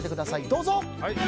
どうぞ。